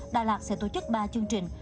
đà lạt sẽ tổ chức ba chương trình